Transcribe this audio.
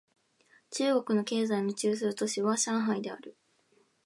中国の経済の中枢都市は上海である